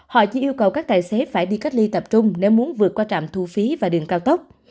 họ chỉ yêu cầu các tài xế phải đi cách ly tập trung nếu muốn vượt qua trạm thu phí và đường cao tốc